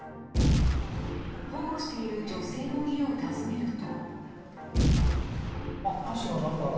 保護している女性の家を訪ねると。